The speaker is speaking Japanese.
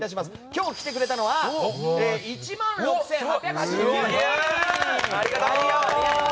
今日来てくれたのは１万６８８９人！